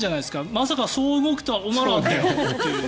まさかそう動くとは思わなかったよって。